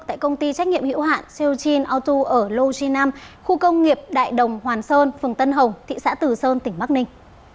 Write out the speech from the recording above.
tại công ty trách nhiệm hiệu hạn seochin auto ở lô chi nam khu công nghiệp đại đồng hoàn sơn phường tân hồng thị xã từ sơn tỉnh bắc ninh